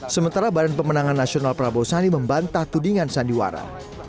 sementara badan pemenangan nasional prabowo sani membantah tudingan sandiwara